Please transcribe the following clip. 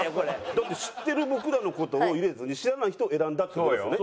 だって知ってる僕らの事を入れずに知らない人を選んだって事ですよね。